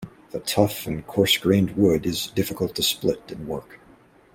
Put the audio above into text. The tough and coarse-grained wood is difficult to split and work.